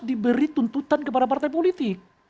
diberi tuntutan kepada partai politik